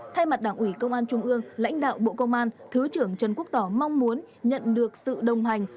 thay mặt đảng ủy công an trung ương lãnh đạo bộ công an thứ trưởng trần quốc tỏ mong muốn nhận được sự đồng hành